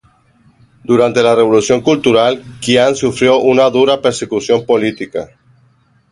Durante la Revolución Cultural, Qian sufrió una dura persecución política.